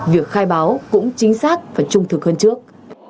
việc khai báo cũng chính xác và trung thực hơn trước